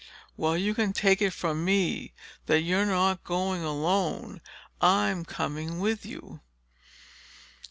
"Well, you can take it from me that you're not going alone. I'm coming with you."